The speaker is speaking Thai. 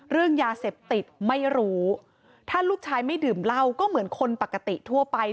เรื่องยาเสพติดไม่รู้ถ้าลูกชายไม่ดื่มเหล้าก็เหมือนคนปกติทั่วไป